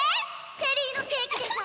チェリーのケーキでしょ！